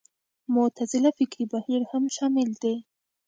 معتزله فکري بهیر هم شامل دی